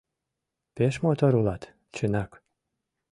Пеш мотор улат, чынак